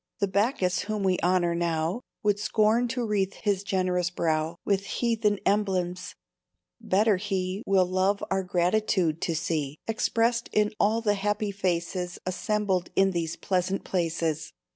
The Backus whom we honor now Would scorn to wreathe his generous brow With heathen emblems better he Will love our gratitude to see Expressed in all the happy faces Assembled in these pleasant places.